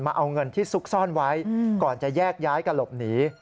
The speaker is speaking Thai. เอาเงินที่ซุกซ่อนไว้ก่อนจะแยกย้ายกระหลบหนี